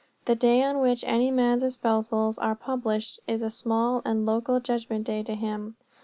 The day on which any man's espousals are published is a small and local judgment day to him.